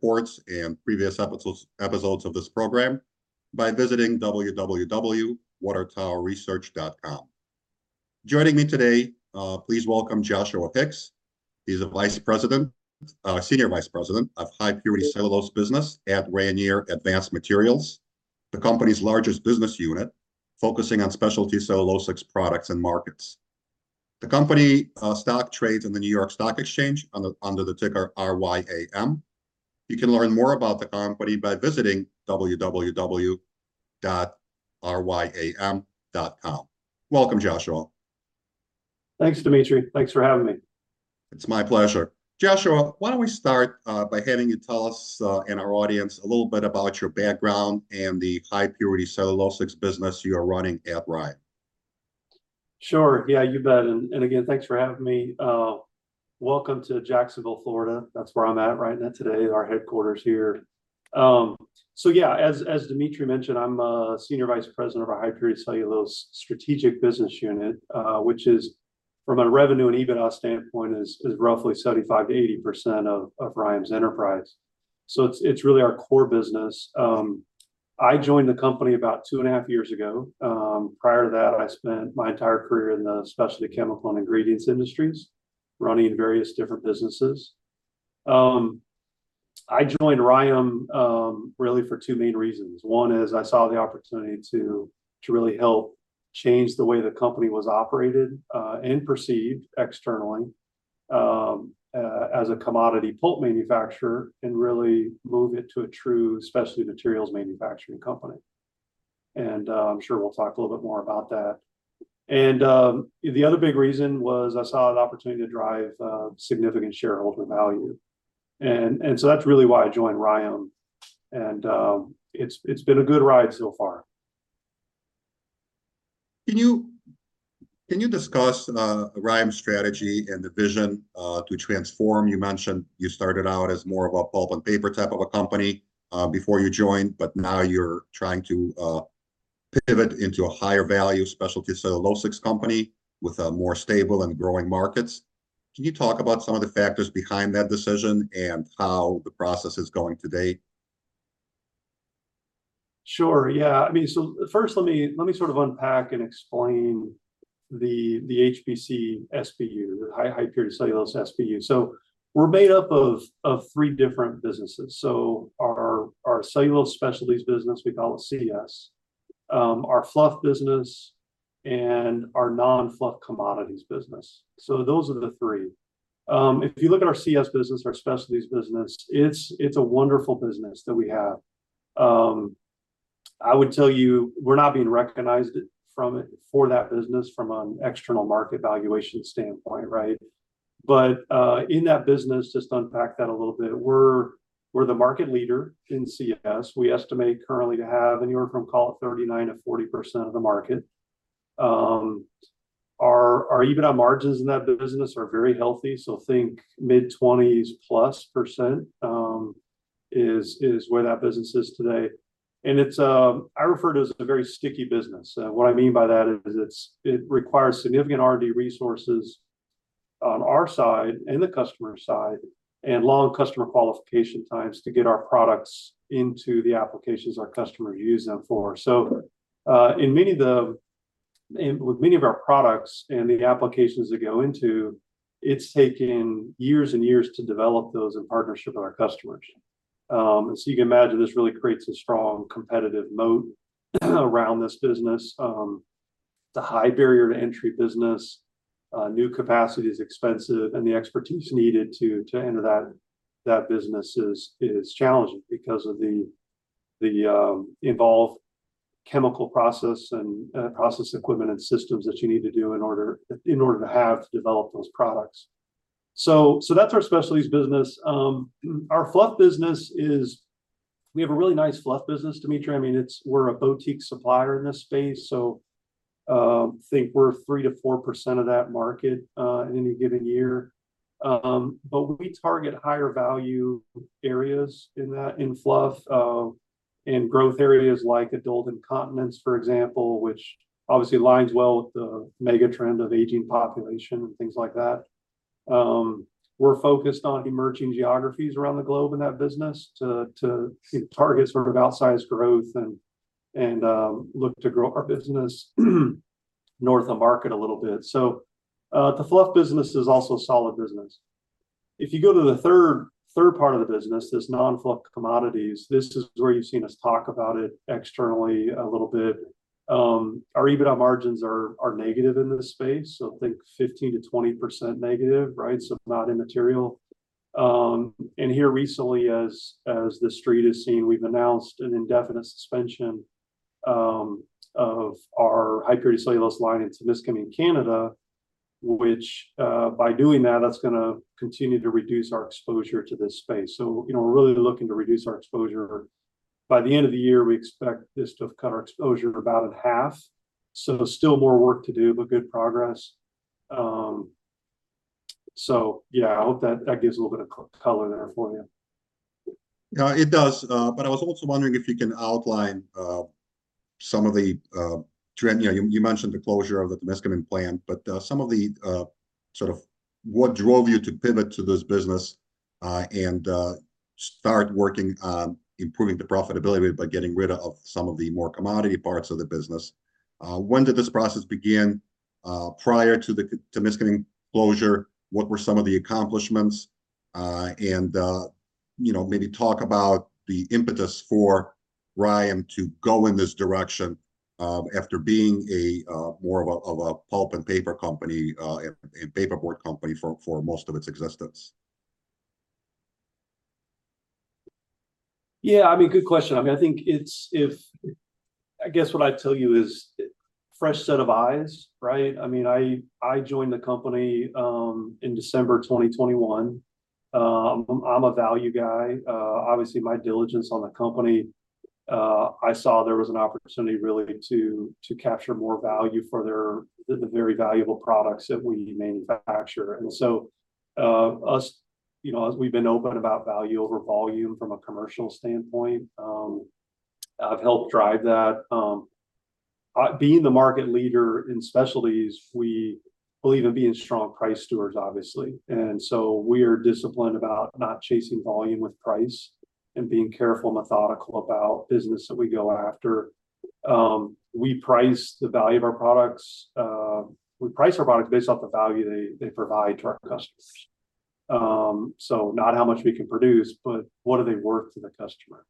Reports and previous episodes of this program by visiting www.watertowerresearch.com. Joining me today, please welcome Joshua Hicks. He's a vice president, senior vice president of High Purity Cellulose Business at Rayonier Advanced Materials, the company's largest business unit, focusing on specialty celluloses products and markets. The company, stock trades in the New York Stock Exchange under the ticker RYAM. You can learn more about the company by visiting www.ryam.com. Welcome, Joshua. Thanks, Dmitry. Thanks for having me. It's my pleasure. Joshua, why don't we start by having you tell us and our audience a little bit about your background and the High Purity Celluloses business you are running at RYAM? Sure. Yeah, you bet, and again, thanks for having me. Welcome to Jacksonville, Florida. That's where I'm at right now today, our headquarters here. So yeah, as Dmitry mentioned, I'm a Senior Vice President of our High Purity Cellulose strategic business unit, which is, from a revenue and EBITDA standpoint, roughly 75%-80% of RYAM's enterprise. So it's really our core business. I joined the company about 2.5 years ago. Prior to that, I spent my entire career in the specialty chemical and ingredients industries, running various different businesses. I joined RYAM really for two main reasons. One is I saw the opportunity to really help change the way the company was operated, and perceived externally, as a commodity pulp manufacturer, and really move it to a true specialty materials manufacturing company. And, I'm sure we'll talk a little bit more about that. And, the other big reason was I saw an opportunity to drive significant shareholder value. And, so that's really why I joined RYAM, and, it's been a good ride so far. Can you, can you discuss RYAM's strategy and the vision to transform? You mentioned you started out as more of a pulp and paper type of a company before you joined, but now you're trying to pivot into a higher value specialty celluloses company with more stable and growing markets. Can you talk about some of the factors behind that decision and how the process is going to date? Sure. Yeah. I mean, so first, let me sort of unpack and explain the HPC SBU, the High Purity Cellulose SBU. So we're made up of three different businesses. So our cellulose specialties business, we call it CS, our fluff business, and our non-fluff commodities business. So those are the three. If you look at our CS business, our specialties business, it's a wonderful business that we have. I would tell you, we're not being recognized for that business from an external market valuation standpoint, right? But in that business, just to unpack that a little bit, we're the market leader in CS. We estimate currently to have anywhere from, call it, 39%-40% of the market. Our EBITDA margins in that business are very healthy, so think mid-20s+% is where that business is today. And it's, I refer to it as a very sticky business. What I mean by that is it's, it requires significant R&D resources on our side and the customer side, and long customer qualification times to get our products into the applications our customer use them for. So, in with many of our products and the applications that go into, it's taken years and years to develop those in partnership with our customers. So you can imagine this really creates a strong competitive moat around this business. The high barrier to entry business, new capacity is expensive, and the expertise needed to enter that business is challenging because of the involved chemical process and process equipment and systems that you need to do in order to have to develop those products. So that's our specialties business. Our fluff business is, we have a really nice fluff business, Dmitry. I mean, it's, we're a boutique supplier in this space, so I think we're 3%-4% of that market in any given year. But we target higher value areas in that fluff and growth areas like adult incontinence, for example, which obviously aligns well with the mega trend of aging population and things like that. We're focused on emerging geographies around the globe in that business to target sort of outsized growth and look to grow our business north of market a little bit. So, the fluff business is also a solid business. If you go to the third part of the business, this non-fluff commodities, this is where you've seen us talk about it externally a little bit. Our EBITDA margins are negative in this space, so I think 15%-20% negative, right? So not immaterial. And here recently, as the street is seeing, we've announced an indefinite suspension of our High Purity Cellulose line in Temiscaming, Canada, which, by doing that, that's gonna continue to reduce our exposure to this space. So, you know, we're really looking to reduce our exposure. By the end of the year, we expect this to have cut our exposure about in half, so still more work to do, but good progress. So yeah, I hope that gives a little bit of color there for you. It does, but I was also wondering if you can outline some of the trend, you know, you mentioned the closure of the Temiscaming plant, but some of the sort of what drove you to pivot to this business, and start working on improving the profitability by getting rid of some of the more commodity parts of the business. When did this process begin? Prior to the Temiscaming closure, what were some of the accomplishments? And you know, maybe talk about the impetus for RYAM to go in this direction, after being more of a pulp and paper company, and paperboard company for most of its existence. Yeah, I mean, good question. I mean, I think it's if, I guess what I'd tell you is, fresh set of eyes, right? I mean, I joined the company in December 2021. I'm a value guy. Obviously, my diligence on the company, I saw there was an opportunity really to capture more value for the very valuable products that we manufacture. And so, you know, as we've been open about value over volume from a commercial standpoint, I've helped drive that. Being the market leader in specialties, we believe in being strong price stewards, obviously. And so we are disciplined about not chasing volume with price and being careful and methodical about business that we go after. We price the value of our products. We price our products based off the value they provide to our customers. So not how much we can produce, but what are they worth to the customer?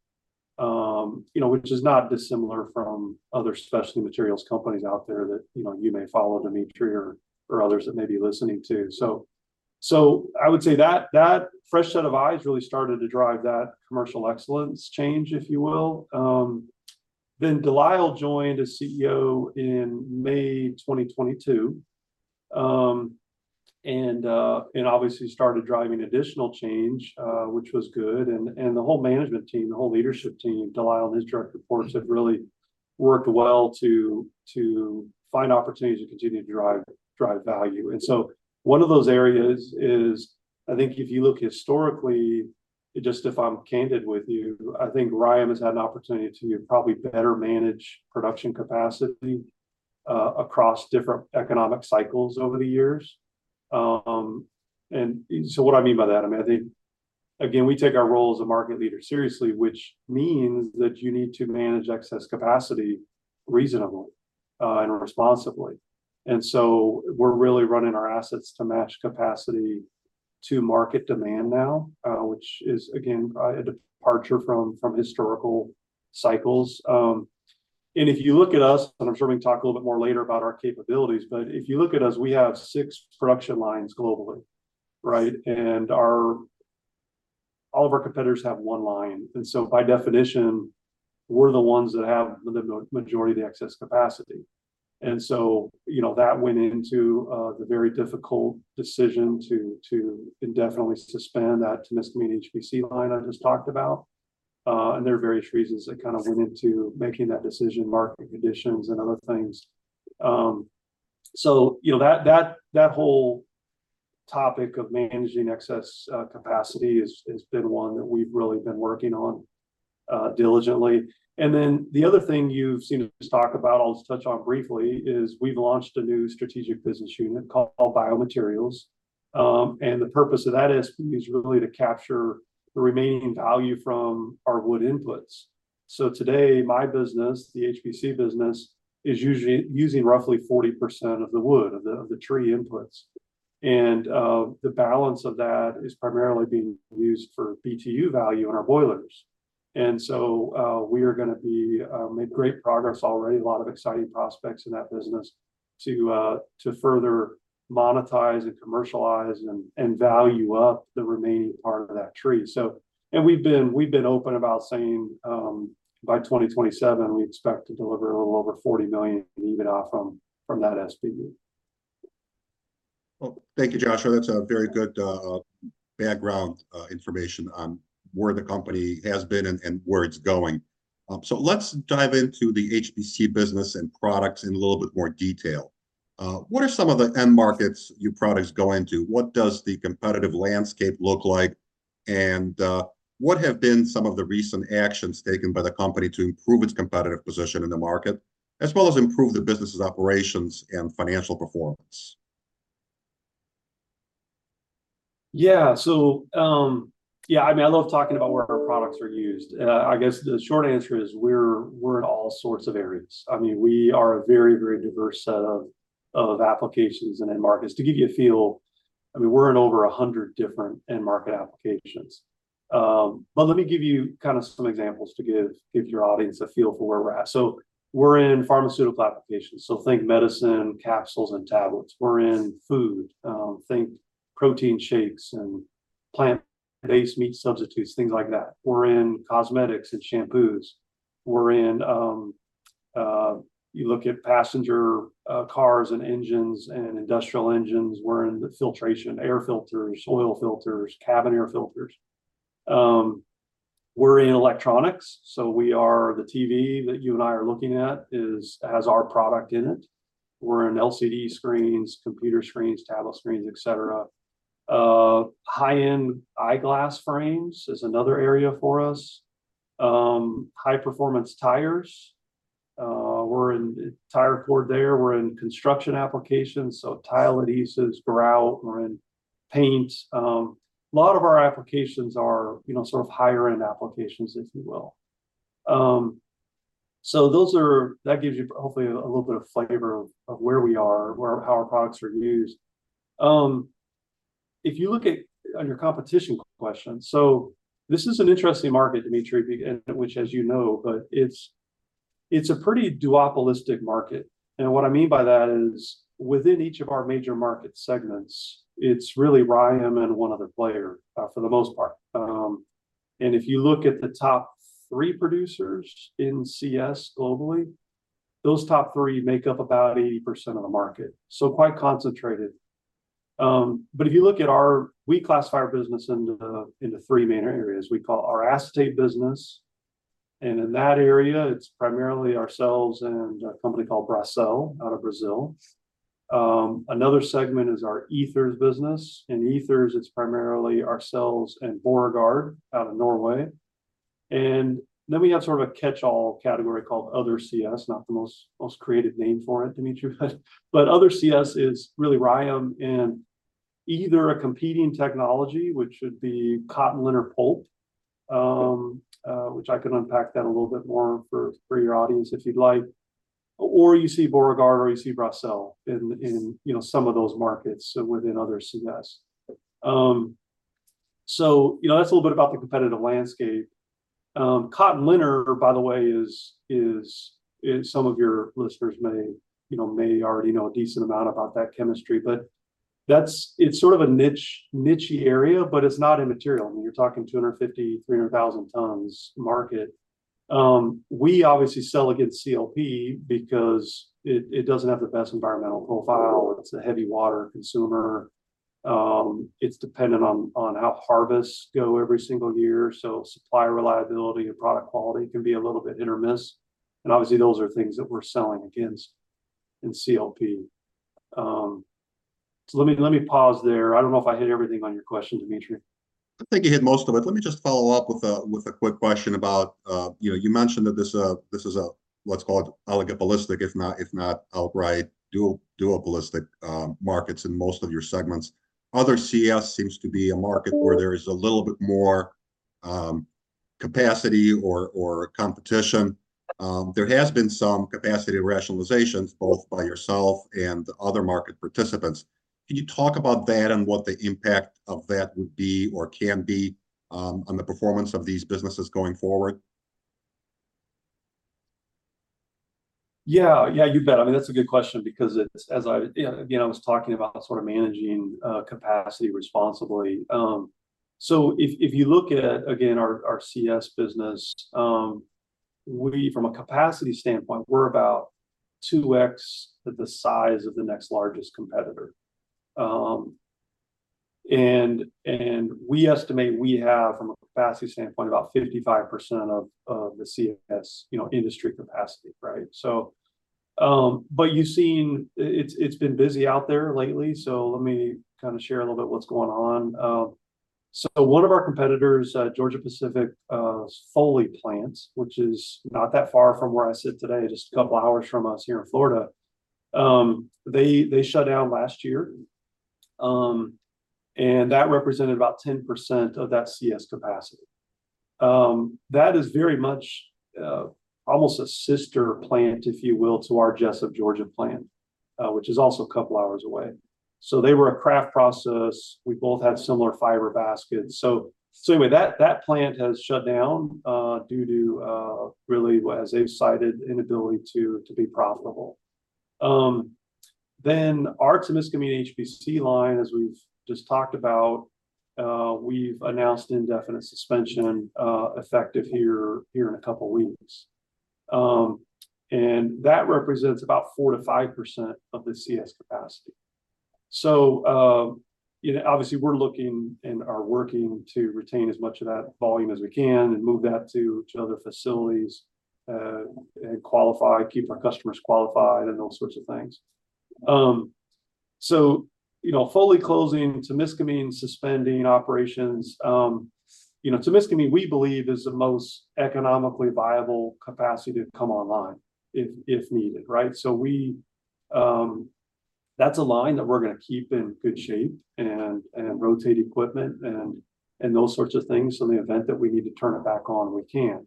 You know, which is not dissimilar from other specialty materials companies out there that, you know, you may follow, Dmitry, or others that may be listening to. So I would say that fresh set of eyes really started to drive that commercial excellence change, if you will. Then De Lyle joined as CEO in May 2022, and obviously started driving additional change, which was good. And the whole management team, the whole leadership team, De Lyle and his direct reports, have really worked well to find opportunities to continue to drive value. And so one of those areas is, I think if you look historically, just if I'm candid with you, I think RYAM has had an opportunity to probably better manage production capacity, across different economic cycles over the years. And so what I mean by that, I mean, I think, again, we take our role as a market leader seriously, which means that you need to manage excess capacity reasonably, and responsibly. And so we're really running our assets to match capacity to market demand now, which is, again, a departure from historical cycles. And if you look at us, and I'm sure we can talk a little bit more later about our capabilities, but if you look at us, we have 6 production lines globally, right? And all of our competitors have 1 line. And so by definition, we're the ones that have the majority of the excess capacity. And so, you know, that went into the very difficult decision to indefinitely suspend that Temiscaming HPC line I just talked about. And there are various reasons that kind of went into making that decision, market conditions and other things. So you know, that whole topic of managing excess capacity is one that we've really been working on diligently. And then the other thing you've seen us talk about, I'll just touch on briefly, is we've launched a new strategic business unit called Biomaterials. And the purpose of that is really to capture the remaining value from our wood inputs. So today, my business, the HPC business, is usually using roughly 40% of the wood, of the tree inputs. The balance of that is primarily being used for BTU value in our boilers. So, we are gonna be made great progress already, a lot of exciting prospects in that business to, to further monetize and commercialize and, and value up the remaining part of that tree. And we've been, we've been open about saying, by 2027, we expect to deliver a little over $40 million in EBITDA from, from that SBU. Well, thank you, Joshua. That's a very good background information on where the company has been and, and where it's going. So let's dive into the HPC business and products in a little bit more detail. What are some of the end markets your products go into? What does the competitive landscape look like? And, what have been some of the recent actions taken by the company to improve its competitive position in the market, as well as improve the business's operations and financial performance? Yeah. So, yeah, I mean, I love talking about where our products are used. I guess the short answer is we're, we're in all sorts of areas. I mean, we are a very, very diverse set of applications and end markets. To give you a feel, I mean, we're in over a hundred different end market applications. But let me give you kind of some examples to give your audience a feel for where we're at. So we're in pharmaceutical applications. So think medicine, capsules, and tablets. We're in food. Think protein shakes and plant-based meat substitutes, things like that. We're in cosmetics and shampoos. We're in. You look at passenger cars and engines and industrial engines. We're in the filtration, air filters, oil filters, cabin air filters. We're in electronics, so we are the TV that you and I are looking at is, has our product in it. We're in LCD screens, computer screens, tablet screens, et cetera. High-end eyeglass frames is another area for us. High-performance tires, we're in the tire cord there. We're in construction applications, so tile adhesives, grout, we're in paints. A lot of our applications are, you know, sort of higher-end applications, if you will. So those are that gives you hopefully a little bit of flavor of where we are, where, how our products are used. If you look at, on your competition question, so this is an interesting market, Dmitry, which as you know, but it's, it's a pretty duopolistic market. What I mean by that is, within each of our major market segments, it's really RYAM and one other player, for the most part. And if you look at the top three producers in CS globally, those top three make up about 80% of the market, so quite concentrated. But if you look at our, we classify our business into the, into three main areas. We call our acetate business, and in that area, it's primarily ourselves and a company called Bracell out of Brazil. Another segment is our Ethers business. In Ethers, it's primarily ourselves and Borregaard out of Norway. And then we have sort of a catch-all category called other CS, not the most creative name for it, Dmitry, but other CS is really RYAM and either a competing technology, which would be cotton linters pulp, which I can unpack that a little bit more for your audience, if you'd like. Or you see Borregaard, or you see Bracell in, you know, some of those markets within other CS. So, you know, that's a little bit about the competitive landscape. Cotton linter, by the way, is and some of your listeners may, you know, may already know a decent amount about that chemistry, but that's it's sort of a niche, niche area, but it's not immaterial. I mean, you're talking 250-300 thousand tons market. We obviously sell against CLP because it, it doesn't have the best environmental profile. It's a heavy water consumer. It's dependent on, on how harvests go every single year, so supply reliability and product quality can be a little bit hit or miss, and obviously, those are things that we're selling against in CLP. So let me, let me pause there. I don't know if I hit everything on your question, Dmitry. I think you hit most of it. Let me just follow up with a quick question about. You know, you mentioned that this, this is a, what's called oligopolistic, if not, if not outright duopolistic, markets in most of your segments. Other CS seems to be a market where there is a little bit more, capacity or, or competition. There has been some capacity rationalizations, both by yourself and other market participants. Can you talk about that and what the impact of that would be, or can be, on the performance of these businesses going forward? Yeah. Yeah, you bet. I mean, that's a good question because it's, as I, yeah, again, I was talking about sort of managing capacity responsibly. So if you look at, again, our CS business, we, from a capacity standpoint, we're about 2x the size of the next largest competitor. And we estimate we have, from a capacity standpoint, about 55% of the CS, you know, industry capacity, right? So, but you've seen, it's been busy out there lately, so let me kind of share a little bit what's going on. So one of our competitors, Georgia-Pacific, Foley plant, which is not that far from where I sit today, just a couple hours from us here in Florida, they shut down last year. And that represented about 10% of that CS capacity. That is very much almost a sister plant, if you will, to our Jesup, Georgia plant, which is also a couple hours away. So they were a Kraft process. We both had similar fiber baskets. So anyway, that plant has shut down due to really, as they've cited, inability to be profitable. Then our Temiscaming HPC line, as we've just talked about, we've announced indefinite suspension effective here in a couple weeks. And that represents about 4%-5% of the CS capacity. So you know, obviously, we're looking and are working to retain as much of that volume as we can and move that to other facilities and qualify, keep our customers qualified, and those sorts of things. So, you know, fully closing Temiscaming, suspending operations, you know, Temiscaming, we believe, is the most economically viable capacity to come online if needed, right? So we, that's a line that we're gonna keep in good shape and rotate equipment and those sorts of things, so in the event that we need to turn it back on, we can.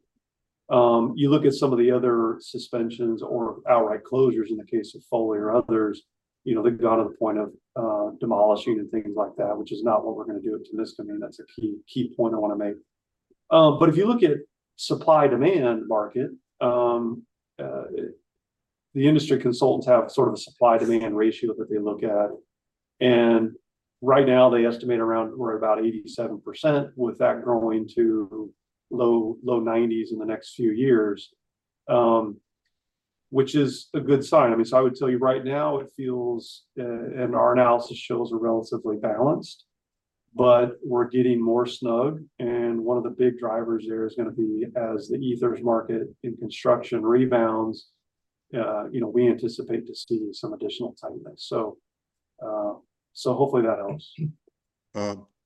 You look at some of the other suspensions or outright closures in the case of Foley or others, you know, they've gone to the point of demolishing and things like that, which is not what we're gonna do at Temiscaming. That's a key point I wanna make. But if you look at supply-demand market, the industry consultants have sort of a supply-demand ratio that they look at, and right now, they estimate around, we're about 87%, with that growing to low 90s in the next few years, which is a good sign. I mean, so I would tell you right now, it feels, and our analysis shows we're relatively balanced, but we're getting more snug, and one of the big drivers there is gonna be as the Ethers market and construction rebounds, you know, we anticipate to see some additional tightness. So, so hopefully that helps.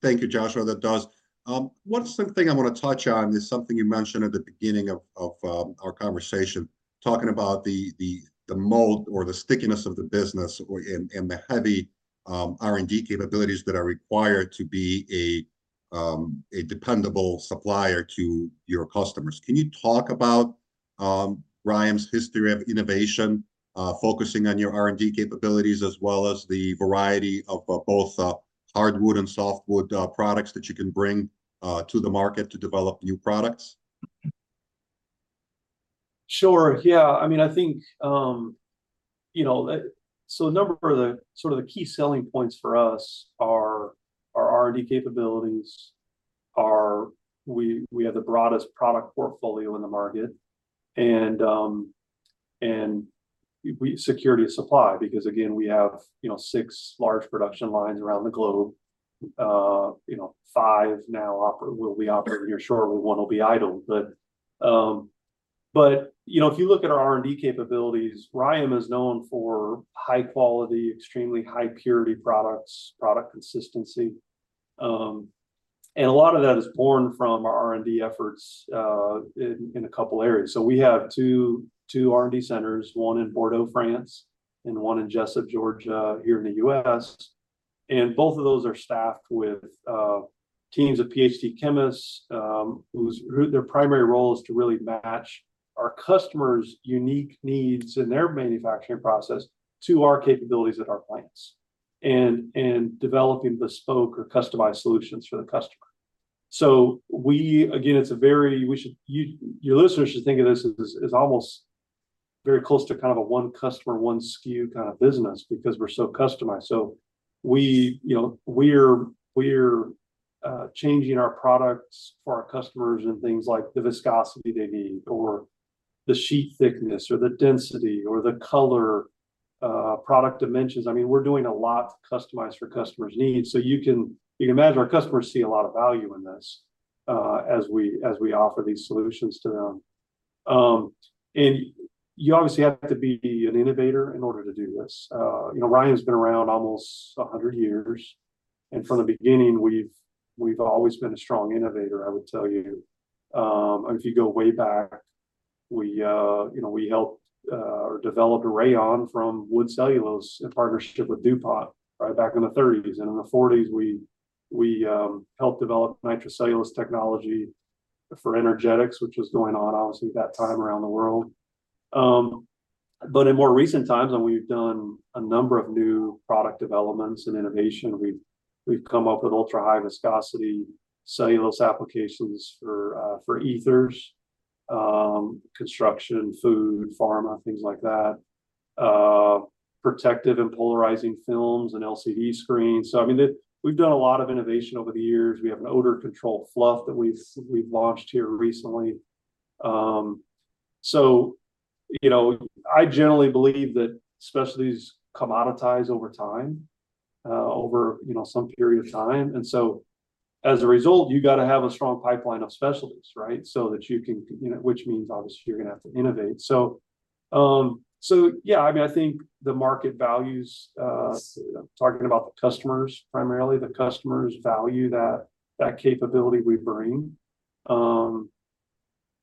Thank you, Joshua, that does. One simple thing I wanna touch on is something you mentioned at the beginning of our conversation, talking about the mold or the stickiness of the business or and the heavy R&D capabilities that are required to be a dependable supplier to your customers. Can you talk about RYAM's history of innovation, focusing on your R&D capabilities, as well as the variety of both hardwood and softwood products that you can bring to the market to develop new products? Sure, yeah. I mean, I think, you know, that. So a number of the, sort of the key selling points for us are our R&D capabilities, are we, we have the broadest product portfolio in the market, and, and we—security of supply, because, again, we have, you know, six large production lines around the globe. You know, five now will be operating here shortly, one will be idle. But, but, you know, if you look at our R&D capabilities, RYAM is known for high quality, extremely high purity products, product consistency. And a lot of that is born from our R&D efforts, in a couple areas. So we have two, two R&D centers, one in Bordeaux, France, and one in Jesup, Georgia, here in the US. And both of those are staffed with teams of PhD chemists, whose primary role is to really match our customers' unique needs and their manufacturing process to our capabilities at our plants, and developing bespoke or customized solutions for the customer. So we, it's a very... We should— You, listeners should think of this as almost very close to kind of a one customer, one SKU kind of business, because we're so customized. So we, you know, we're changing our products for our customers and things like the viscosity they need, or the sheet thickness, or the density, or the color, product dimensions. I mean, we're doing a lot to customize for customers' needs. So you can imagine our customers see a lot of value in this, as we offer these solutions to them. And you obviously have to be an innovator in order to do this. You know, RYAM's been around almost a hundred years, and from the beginning, we've always been a strong innovator, I would tell you. And if you go way back, you know, we helped or developed rayon from wood cellulose in partnership with DuPont, right back in the 1930s. And in the 1940s, we helped develop nitrocellulose technology for energetics, which was going on, obviously, at that time around the world. But in more recent times, we've done a number of new product developments and innovation. We've come up with ultra-high viscosity cellulose applications for Ethers, construction, food, pharma, things like that, protective and polarizing films and LCD screens. So, I mean, we've done a lot of innovation over the years. We have an odor control fluff that we've launched here recently. So, you know, I generally believe that specialties commoditize over time, you know, some period of time. And so, as a result, you gotta have a strong pipeline of specialties, right? So that you can, you know, which means obviously, you're gonna have to innovate. So, yeah, I mean, I think the market values, talking about the customers, primarily the customers value that capability we bring.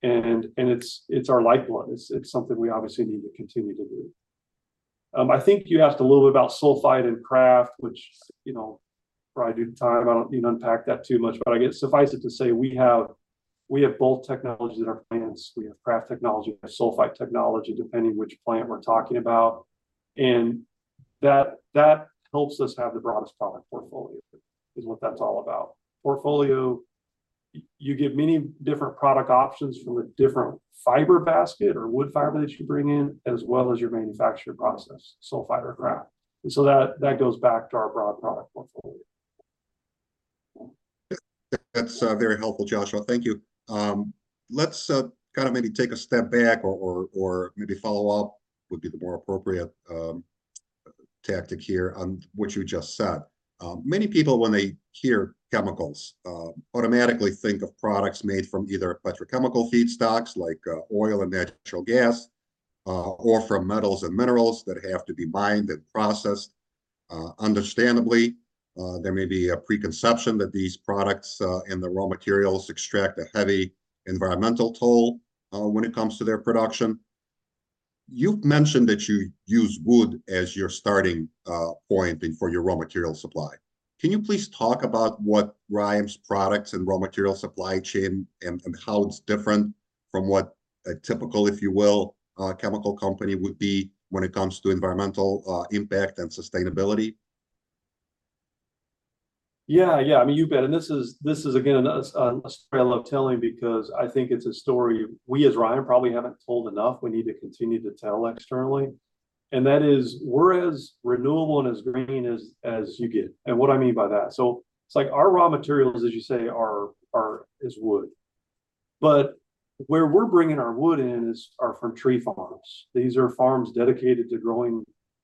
And it's our lifeline. It's something we obviously need to continue to do. I think you asked a little bit about sulfite and Kraft, which, you know, probably due to time, I don't need to unpack that too much. But I guess suffice it to say, we have both technologies at our plants. We have Kraft technology, and Sulfite technology, depending which plant we're talking about. And that, that helps us have the broadest product portfolio, is what that's all about. Portfolio, you get many different product options from a different fiber basket or wood fiber that you bring in, as well as your manufacturing process, Sulfite or Kraft. And so that, that goes back to our broad product portfolio. That's very helpful, Joshua. Thank you. Let's kind of maybe take a step back or maybe follow up, would be the more appropriate tactic here on what you just said. Many people when they hear chemicals automatically think of products made from either petrochemical feedstocks, like oil and natural gas or from metals and minerals that have to be mined and processed. Understandably, there may be a preconception that these products and the raw materials extract a heavy environmental toll when it comes to their production. You've mentioned that you use wood as your starting point for your raw material supply. Can you please talk about what RYAM's products and raw material supply chain and how it's different from what a typical, if you will, chemical company would be when it comes to environmental impact and sustainability? Yeah, yeah. I mean, you bet. And this is, again, a story I love telling because I think it's a story we as RYAM probably haven't told enough, we need to continue to tell externally. And that is, we're as renewable and as green as you get. And what I mean by that? So it's like our raw materials, as you say, are wood. But where we're bringing our wood in is from tree farms. These are farms dedicated to growing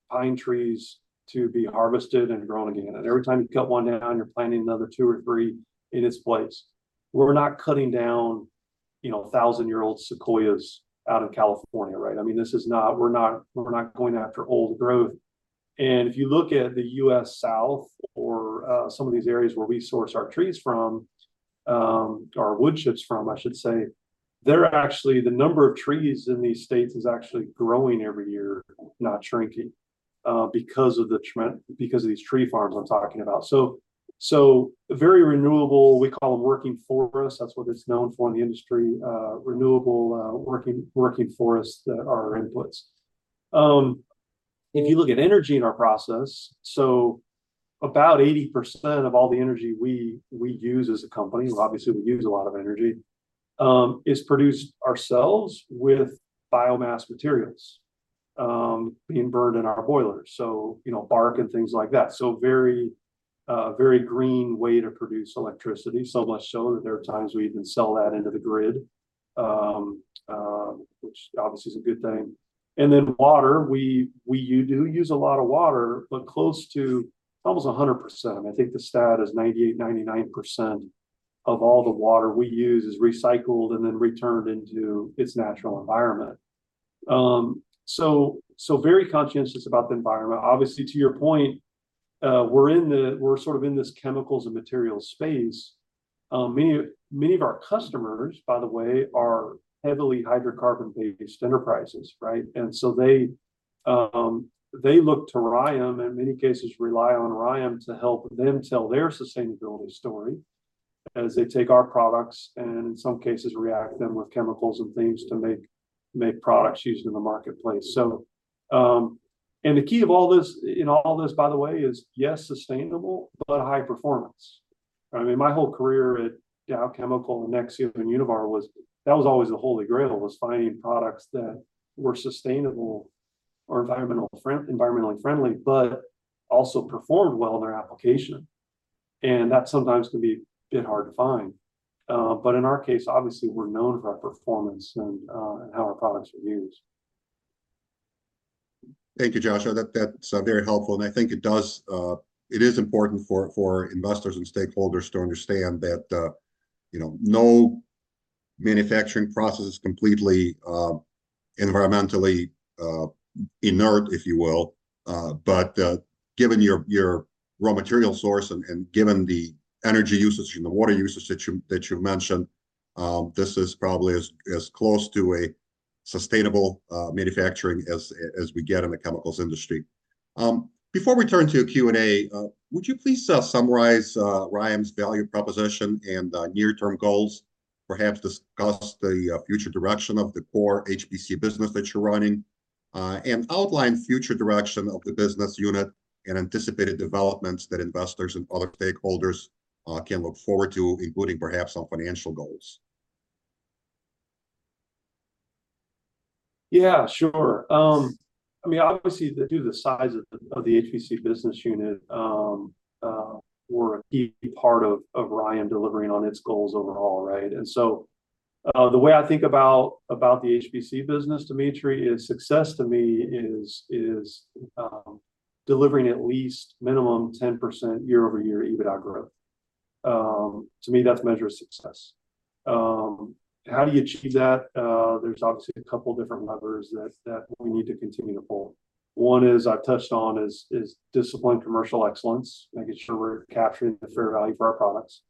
pine trees to be harvested and grown again. And every time you cut one down, you're planting another two or three in its place, we're not cutting down, you know, thousand-year-old sequoias out of California, right? I mean, this is not, we're not, we're not going after old growth. If you look at the U.S. South or some of these areas where we source our trees from, our wood chips from, I should say, they're actually the number of trees in these states is actually growing every year, not shrinking, because of these tree farms I'm talking about. So very renewable, we call them working forests. That's what it's known for in the industry, renewable, working forests that are our inputs. If you look at energy in our process, so about 80% of all the energy we use as a company, so obviously we use a lot of energy, is produced ourselves with biomass materials being burned in our boilers, so you know, bark and things like that. So very green way to produce electricity. So much so that there are times we even sell that into the grid, which obviously is a good thing. And then water, we do use a lot of water, but close to almost 100%. I think the stat is 98%-99% of all the water we use is recycled and then returned into its natural environment. So very conscientious about the environment. Obviously, to your point, we're sort of in this chemicals and materials space. Many, many of our customers, by the way, are heavily hydrocarbon-based enterprises, right? And so they look to RYAM, in many cases, rely on RYAM to help them tell their sustainability story as they take our products and in some cases, react them with chemicals and things to make products used in the marketplace. So... And the key of all this, in all this, by the way, is, yes, sustainable, but high performance. I mean, my whole career at Dow Chemical and Nexeo and Univar was that was always the holy grail, was finding products that were sustainable or environmentally friendly, but also performed well in their application, and that sometimes can be a bit hard to find. But in our case, obviously, we're known for our performance and, and how our products are used. Thank you, Josh. That, that's very helpful, and I think it does, it is important for investors and stakeholders to understand that, you know, no manufacturing process is completely environmentally inert, if you will. But, given your raw material source and given the energy usage and the water usage that you've mentioned, this is probably as close to a sustainable manufacturing as we get in the chemicals industry. Before we turn to Q&A, would you please summarize RYAM's value proposition and near-term goals, perhaps discuss the future direction of the core HPC business that you're running, and outline future direction of the business unit and anticipated developments that investors and other stakeholders can look forward to, including perhaps some financial goals? Yeah, sure. I mean, obviously, due to the size of the HPC business unit, we're a key part of RYAM delivering on its goals overall, right? And so, the way I think about the HPC business, Dmitry, is success to me is delivering at least minimum 10% year-over-year EBITDA growth. To me, that's measure of success. How do you achieve that? There's obviously a couple different levers that we need to continue to pull. One is, I've touched on, is disciplined commercial excellence, making sure we're capturing the fair value for our products.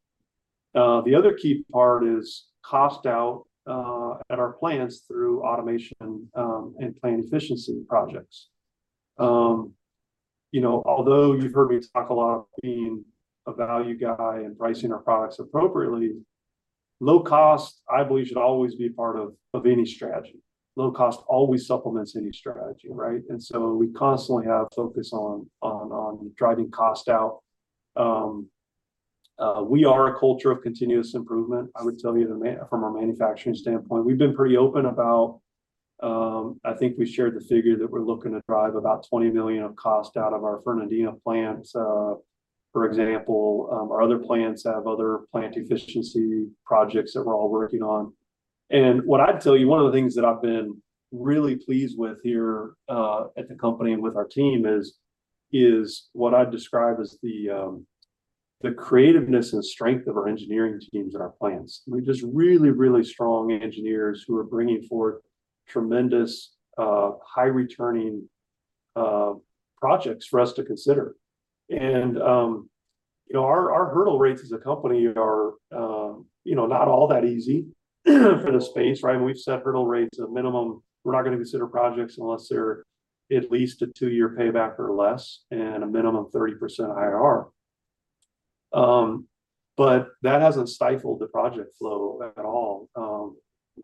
The other key part is cost out at our plants through automation and plant efficiency projects. You know, although you've heard me talk a lot about being a value guy and pricing our products appropriately, low cost, I believe, should always be part of any strategy. Low cost always supplements any strategy, right? So we constantly have focus on driving cost out. We are a culture of continuous improvement. I would tell you, from a manufacturing standpoint, we've been pretty open about. I think we shared the figure that we're looking to drive about $20 million of cost out of our Fernandina plant. For example, our other plants have other plant efficiency projects that we're all working on. What I'd tell you, one of the things that I've been really pleased with here at the company and with our team is what I'd describe as the creativeness and strength of our engineering teams and our plants. We've just really, really strong engineers who are bringing forward tremendous high-returning projects for us to consider. And you know, our hurdle rates as a company are you know, not all that easy for the space, right? We've set hurdle rates at a minimum. We're not gonna consider projects unless they're at least a two-year payback or less and a minimum 30% IRR. But that hasn't stifled the project flow at all.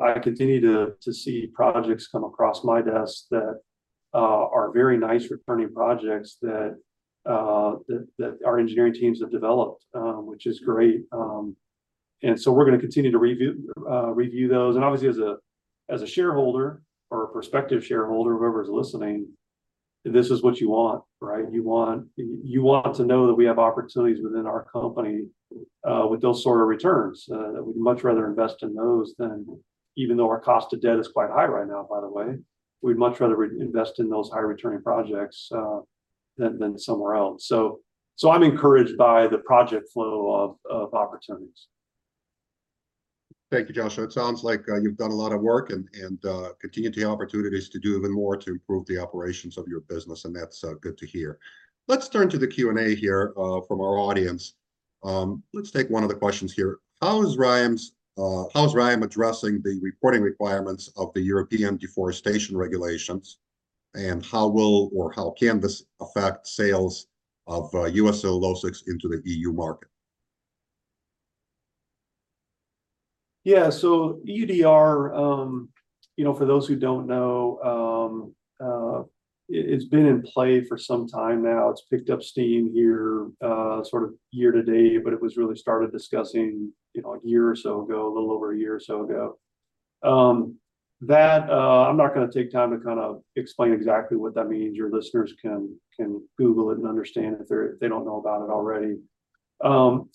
I continue to see projects come across my desk that are very nice returning projects that our engineering teams have developed, which is great. And so we're gonna continue to review those. And obviously, as a shareholder or a prospective shareholder, whoever is listening, this is what you want, right? You want to know that we have opportunities within our company with those sort of returns. We'd much rather invest in those than, even though our cost of debt is quite high right now, by the way, we'd much rather reinvest in those high-returning projects than somewhere else. So I'm encouraged by the project flow of opportunities. Thank you, Joshua. It sounds like you've done a lot of work and continue to have opportunities to do even more to improve the operations of your business, and that's good to hear. Let's turn to the Q&A here from our audience. Let's take one of the questions here. How is RYAM addressing the reporting requirements of the European deforestation regulations, and how will or how can this affect sales of U.S. [solo] into the E.U. market? Yeah. So EUDR, you know, for those who don't know, it's been in play for some time now. It's picked up steam here, sort of year-to-date, but it was really started discussing, you know, a year or so ago, a little over a year or so ago. That, I'm not gonna take time to kind of explain exactly what that means. Your listeners can Google it and understand if they're, they don't know about it already.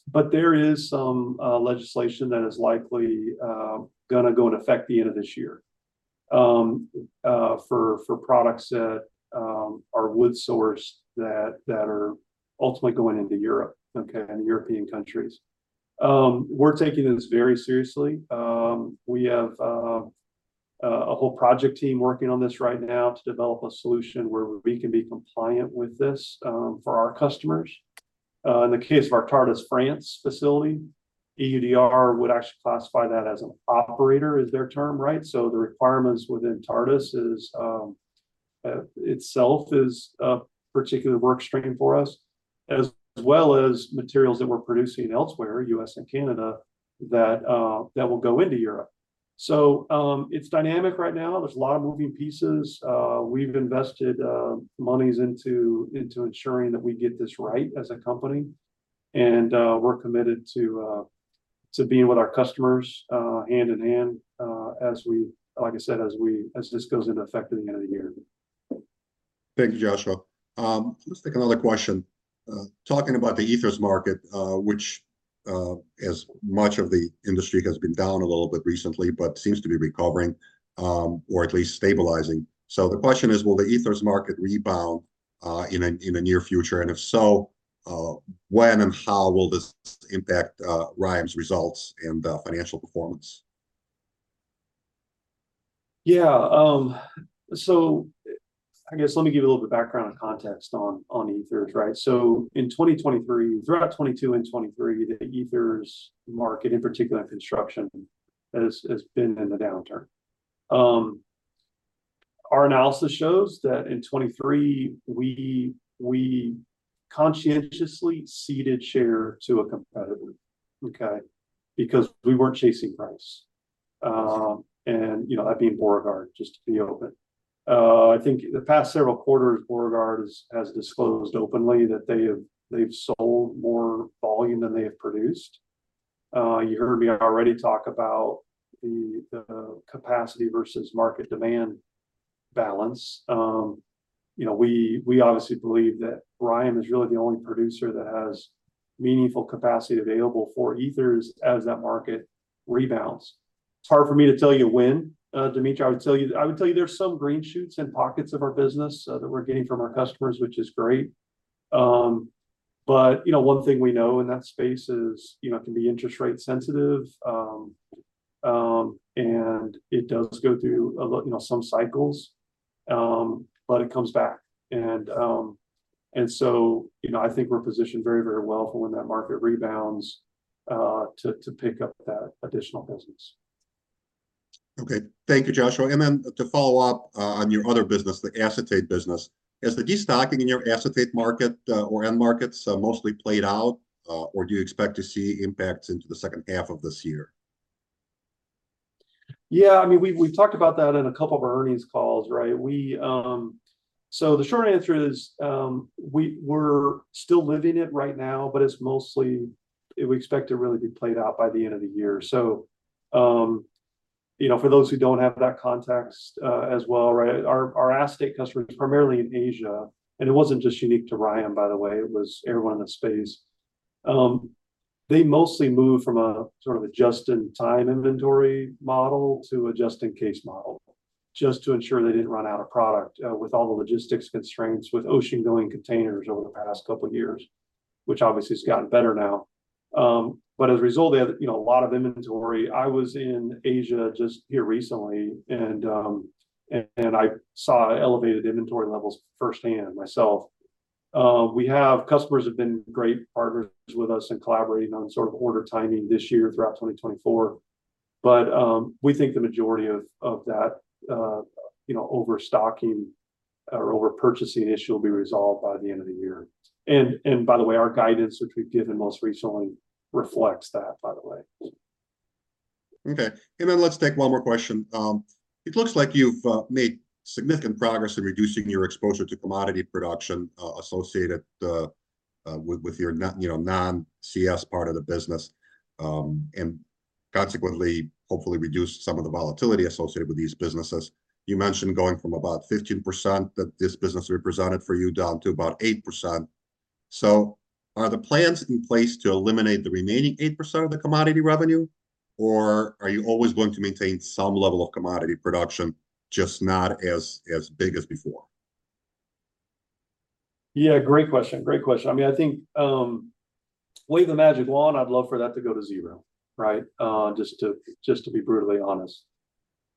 But there is some legislation that is likely gonna go in effect the end of this year, for products that are wood sourced that are ultimately going into Europe, okay, and European countries. We're taking this very seriously. We have a whole project team working on this right now to develop a solution where we can be compliant with this for our customers. In the case of our Tartas, France facility, EUDR would actually classify that as an operator, is their term, right? So the requirements within Tartas itself is a particular work stream for us, as well as materials that we're producing elsewhere, U.S. and Canada, that will go into Europe. So, it's dynamic right now. There's a lot of moving pieces. We've invested monies into ensuring that we get this right as a company, and we're committed to being with our customers hand in hand, as we, like I said, as this goes into effect at the end of the year. Thank you, Joshua. Let's take another question. Talking about the Ethers market, which, as much of the industry has been down a little bit recently, but seems to be recovering, or at least stabilizing. So the question is, will the Ethers market rebound in the near future? And if so, when and how will this impact RYAM's results and financial performance? Yeah. So I guess, let me give you a little bit of background and context on Ethers, right? So in 2023, throughout 2022 and 2023, the Ethers market, in particular in construction, has been in a downturn. Our analysis shows that in 2023, we conscientiously ceded share to a competitor, okay? Because we weren't chasing price. And, you know, that being Borregaard, just to be open. I think in the past several quarters, Borregaard has disclosed openly that they've sold more volume than they have produced. You heard me already talk about the capacity versus market demand balance. You know, we obviously believe that RYAM is really the only producer that has meaningful capacity available for Ethers as that market rebounds. It's hard for me to tell you when, Dmitry. I would tell you, I would tell you there are some green shoots in pockets of our business, that we're getting from our customers, which is great. But, you know, one thing we know in that space is, you know, it can be interest rate sensitive, and it does go through a lot, you know, some cycles, but it comes back. And so, you know, I think we're positioned very, very well for when that market rebounds, to pick up that additional business. Okay. Thank you, Joshua. And then to follow up, on your other business, the acetate business, has the destocking in your acetate market, or end markets, mostly played out, or do you expect to see impacts into the H2 of this year? Yeah, I mean, we've talked about that in a couple of our earnings calls, right? We, so the short answer is, we're still living it right now, but it's mostly, we expect to really be played out by the end of the year. So, you know, for those who don't have that context, as well, right? Our acetate customers, primarily in Asia, and it wasn't just unique to RYAM, by the way, it was everyone in the space. They mostly moved from a sort of a just-in-time inventory model to a just-in-case model, just to ensure they didn't run out of product, with all the logistics constraints with ocean-going containers over the past couple of years, which obviously has gotten better now. But as a result, they had, you know, a lot of inventory. I was in Asia just here recently, and I saw elevated inventory levels firsthand myself. Customers have been great partners with us in collaborating on sort of order timing this year throughout 2024. But we think the majority of that you know overstocking or over-purchasing issue will be resolved by the end of the year. And by the way, our guidance, which we've given most recently, reflects that, by the way. Okay. Then let's take one more question. It looks like you've made significant progress in reducing your exposure to commodity production associated with your, you know, non-CS part of the business, and consequently, hopefully, reduce some of the volatility associated with these businesses. You mentioned going from about 15% that this business represented for you, down to about 8%. So are the plans in place to eliminate the remaining 8% of the commodity revenue, or are you always going to maintain some level of commodity production, just not as big as before? Yeah, great question. Great question. I mean, I think, wave the magic wand, I'd love for that to go to zero, right? Just to, just to be brutally honest.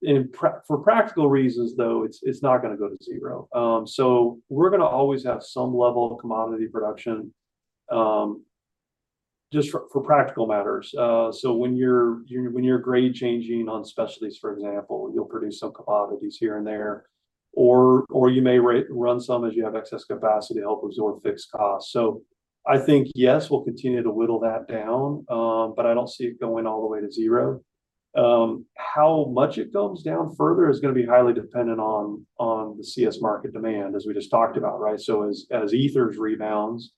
And for practical reasons, though, it's, it's not gonna go to zero. So we're gonna always have some level of commodity production, just for, for practical matters. So when you're, when you're grade changing on specialties, for example, you'll produce some commodities here and there, or, or you may run some as you have excess capacity to help absorb fixed costs. So I think, yes, we'll continue to whittle that down, but I don't see it going all the way to zero. How much it goes down further is gonna be highly dependent on, on the CS market demand, as we just talked about, right? So as Ethers rebounds,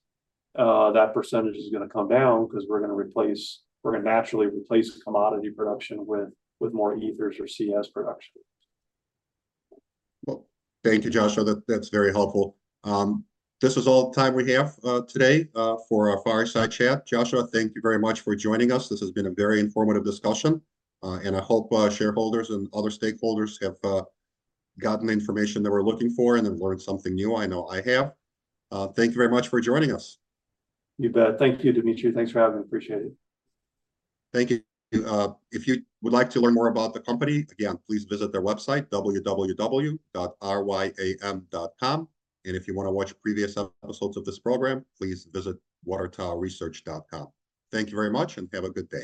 that percentage is gonna come down because we're gonna replace, we're gonna naturally replace commodity production with more Ethers or CS production. Well, thank you, Joshua. That, that's very helpful. This is all the time we have today for our Fireside Chat. Joshua, thank you very much for joining us. This has been a very informative discussion, and I hope shareholders and other stakeholders have gotten the information they were looking for and have learned something new. I know I have. Thank you very much for joining us. You bet. Thank you, Dmitry. Thanks for having me. Appreciate it. Thank you. If you would like to learn more about the company, again, please visit their website, www.ryam.com. And if you want to watch previous episodes of this program, please visit watertowerresearch.com. Thank you very much, and have a good day!